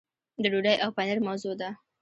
د ډوډۍ او پنیر موضوع ده.